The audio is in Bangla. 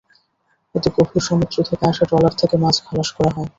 এতে গভীর সমুদ্র থেকে আসা ট্রলার থেকে মাছ খালাস করা হয়।